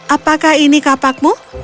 apakah ini kapakmu